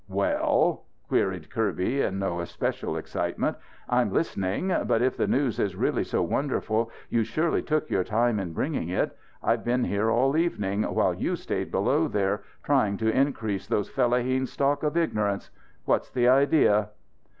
"Well?" queried Kirby in no especial excitement. "I'm listening. But if the news is really so wonderful you surely took your time in bringing it. I've been here all evening, while you've stayed below there, trying to increase those fellaheens' stock of ignorance. What's the idea?"